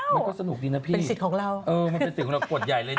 มาแล้วเป็นสิทธิ์ของเราเออมันเป็นสิทธิ์ของเรากดใหญ่เลยเนี่ย